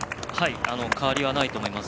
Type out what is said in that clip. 変わりはないと思います。